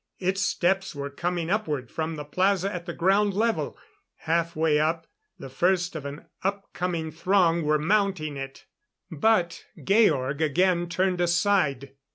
Its steps were coming upward from the plaza at the ground level. Half way up, the first of an up coming throng were mounting it. But Georg again turned aside.